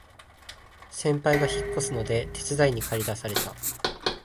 先輩が引っ越すので手伝いにかり出された